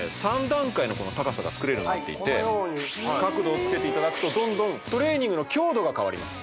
３段階のこの高さが作れるようになっていて角度をつけていただくとどんどんトレーニングの強度が変わります